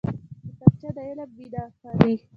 کتابچه د علم مینه پالي